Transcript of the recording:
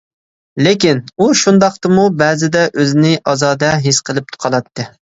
لېكىن ئۇ شۇنداقتىمۇ بەزىدە ئۆزىنى ئازادە ھېس قىلىپ قالاتتى.